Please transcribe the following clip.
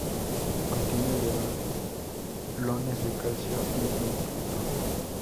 Contiene iones de calcio y nitruro.